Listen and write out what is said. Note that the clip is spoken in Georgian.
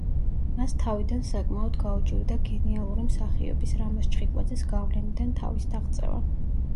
მას თავიდან საკმაოდ გაუჭირდა გენიალური მსახიობის – რამაზ ჩხიკვაძის – გავლენიდან თავის დაღწევა.